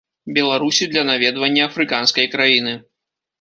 Беларусі для наведвання афрыканскай краіны.